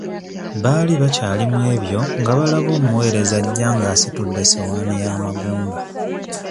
Baali bakyali mu ebyo nga balaba omuweereza ajja ng'asitudde essowaani y'amagumba.